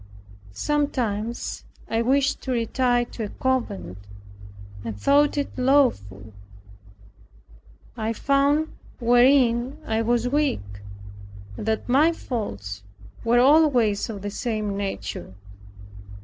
Sometimes I wished to retire to a convent, and thought it lawful. I found wherein I was weak, and that my faults were always of the same nature.